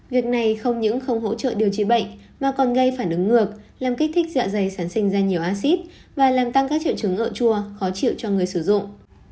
việc này không những không hỗ trợ điều trị bệnh mà còn gây phản ứng ngược làm kích thích dạ dày sản sinh ra nhiều acid và làm tăng các triệu chứng ở chua khó chịu cho người sử dụng